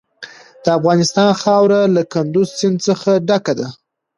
د افغانستان خاوره له کندز سیند څخه ډکه ده.